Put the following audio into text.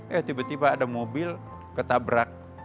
eh tiba tiba ada mobil ketabrak